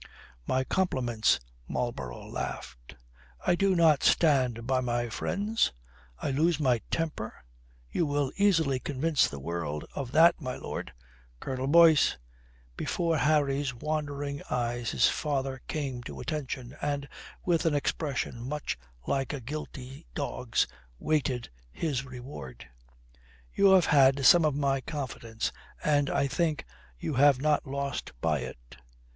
"My compliments," Marlborough laughed. "I do not stand by my friends? I lose my temper? You will easily convince the world of that, my lord. Colonel Boyce!" Before Harry's wondering eyes his father came to attention and, with an expression much like a guilty dog's, waited his reward. "You have had some of my confidence and I think you have not lost by it.